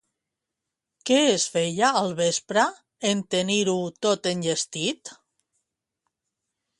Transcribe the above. Què es feia al vespre, en tenir-ho tot enllestit?